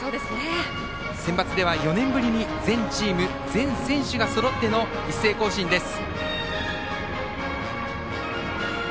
センバツでは４年ぶりに全チーム、全選手がそろっての一斉行進です。